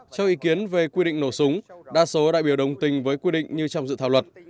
cho ý kiến về quy định nổ súng đa số đại biểu đồng tình với quy định như trong dự thảo luật